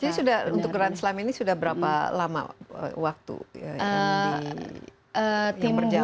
jadi sudah untuk grand slam ini sudah berapa lama waktu yang berjalan